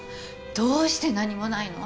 どうして何もないの？